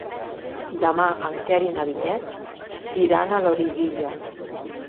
Demà en Quer i na Vinyet iran a Loriguilla.